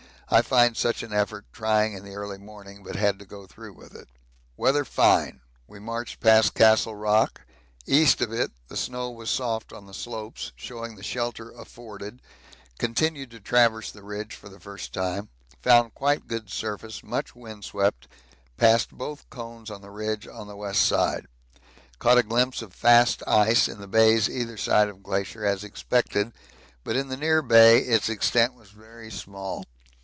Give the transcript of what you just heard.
I find such an effort trying in the early morning, but had to go through with it. Weather fine; we marched past Castle Rock, east of it; the snow was soft on the slopes, showing the shelter afforded continued to traverse the ridge for the first time found quite good surface much wind swept passed both cones on the ridge on the west side. Caught a glimpse of fast ice in the Bays either side of Glacier as expected, but in the near Bay its extent was very small.